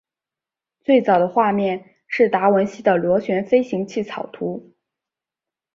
最早的画面是达文西的螺旋飞行器草图。